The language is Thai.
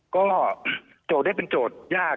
ก็โจทย์ได้เป็นโจทย์ยาก